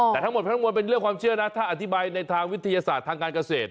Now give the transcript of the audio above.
แต่ทั้งหมดทั้งมวลเป็นเรื่องความเชื่อนะถ้าอธิบายในทางวิทยาศาสตร์ทางการเกษตร